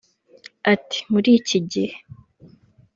Ati”muri iki gihe